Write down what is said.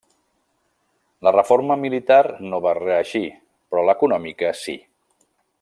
La reforma militar no va reeixir, però l'econòmica sí.